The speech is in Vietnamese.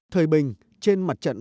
thời bình trên mặt trận